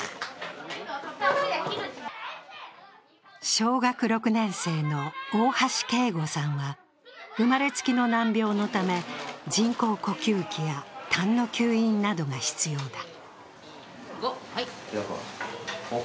小学６年生の大橋恵吾さんは生まれつきの難病のため人工呼吸器やたんの吸引などが必要だ。